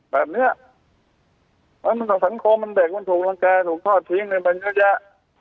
แบบเนี้ยสังคมเด็กมันถูกรังแกถูกทอดทิ้งมันเยอะแยะ